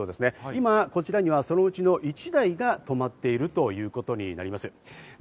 今、こちらにはそのうちの１台が止まっているということになります。